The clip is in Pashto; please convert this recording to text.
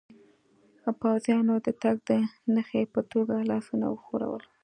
پوځیانو د تګ د نښې په توګه لاسونه و ښورول.